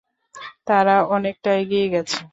তারা অনেকটা এগিয়ে গেছে।